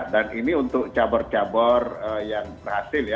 dan ini untuk cabur cabur yang berhasil ya